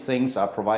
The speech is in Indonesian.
jadi itu berarti